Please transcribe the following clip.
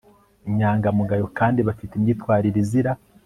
inyangamugayo kandi bafite imyitwarire izira